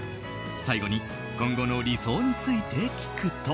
最後に、今後の理想について聞くと。